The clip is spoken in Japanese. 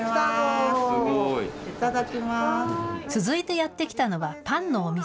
やって来たのはパンのお店。